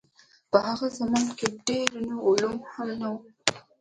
په هغه زمانه کې ډېر نور علوم هم نه وو.